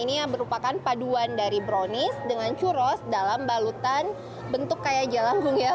ini yang berupakan paduan dari brownies dengan curostau dalam balutan bentuk kayak jelangkung ya